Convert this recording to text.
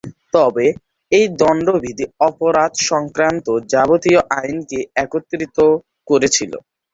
তবে এই দন্ড বিধি অপরাধ সংক্রান্ত যাবতীয় আইনকে একত্রিত করেছিল।